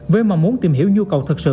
với mong muốn tìm hiểu nhu cầu thật sự